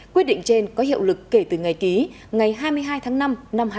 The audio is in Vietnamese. quyết định trên có hiệu lực kể từ ngày ký ngày hai mươi hai tháng năm năm hai nghìn hai mươi